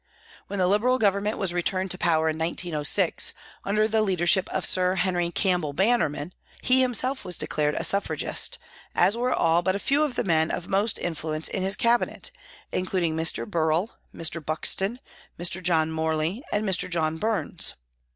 When the Liberal Government was returned to power in 1906, under the leadership of Sir Henry Campbell Bannerman, he himself was a declared Suffragist, as were all but a few of the men of most influence in his Cabinet, including Mr. Birrell, Mr. Buxton, Mr. John Morley and Mr. John Burns.